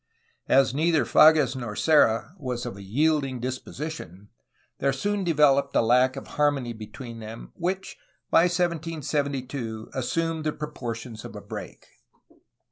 As neither Fages nor Serra was of a yielding dis position, there soon developed a lack of harmony between them which by 1772 assumed the proportions of a break.